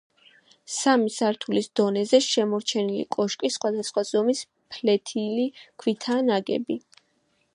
სამი სართულის დონეზე შემორჩენილი კოშკი, სხვადასხვა ზომის ფლეთილი ქვითაა ნაგები.